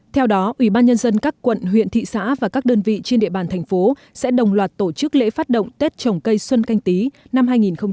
theo đó ủy ban nhân dân các quận huyện thị xã và các đơn vị trên địa bàn thành phố sẽ đồng loạt tổ chức lễ phát động tết trồng cây xuân canh tí năm hai nghìn hai mươi